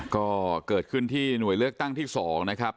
ก็เกิดขึ้นที่หน่วยเลือกตั้งที่๒นะครับ